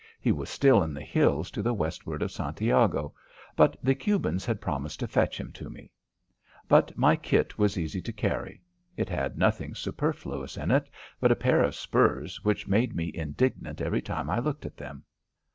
He was still in the hills to the westward of Santiago, but the Cubans had promised to fetch him to me. But my kit was easy to carry. It had nothing superfluous in it but a pair of spurs which made me indignant every time I looked at them.